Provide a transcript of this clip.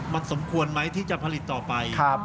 มันสมควรไหมที่จะผลิตต่อไป